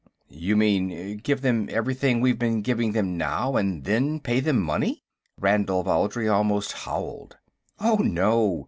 "You mean, give them everything we've been giving them now, and then pay them money?" Ranal Valdry almost howled. "Oh, no.